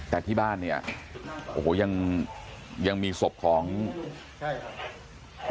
แต่ที่บ้านเนี่ยโอ้โหยังยังมีศพของใช่